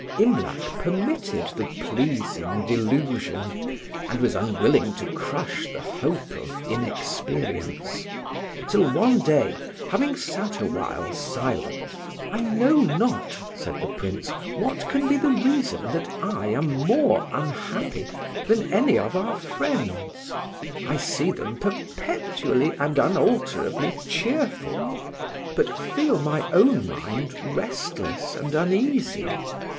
Imlac permitted the pleasing delusion, and was unwilling to crush the hope of inexperience: till one day, having sat awhile silent, "I know not," said the Prince, "what can be the reason that I am more unhappy than any of our friends. I see them perpetually and unalterably cheerful, but feel my own mind restless and uneasy.